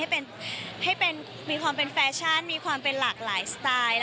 มีความเป็นแฟชั่นมีความเป็นหลากหลายสไตล์